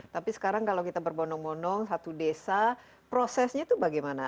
tapi sekarang kalau kita berbonong bonong satu desa prosesnya itu bagaimana